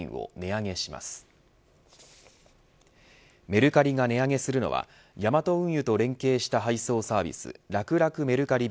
メルカリが値上げするのはヤマト運輸と連携した配送サービスらくらくメルカリ